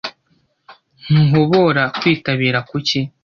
Ntuhobora kwitabira Kuki